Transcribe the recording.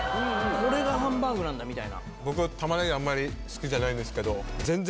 これがハンバーグなんだ！みたいな。